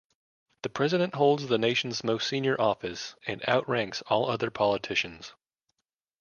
The president holds the nation's most senior office, and outranks all other politicians.